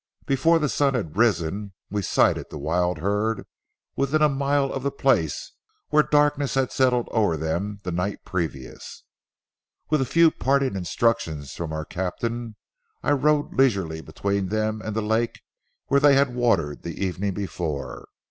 Before the sun had risen, we sighted the wild herd within a mile of the place where darkness had settled over them the night previous. With a few parting instructions from our captain, I rode leisurely between them and the lake where they had watered the evening before.